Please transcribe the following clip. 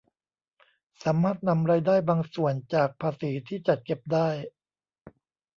สามารถนำรายได้บางส่วนจากภาษีที่จัดเก็บได้